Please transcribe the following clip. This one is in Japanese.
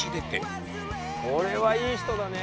「これはいい人だね」